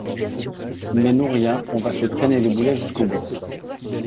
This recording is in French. mais nous rien, on va se traîner les boulets jusqu’au bout.